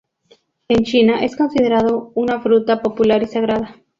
En China, es considerado una fruta popular y sagrada.